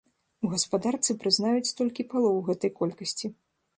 У гаспадарцы прызнаюць толькі палову гэтай колькасці.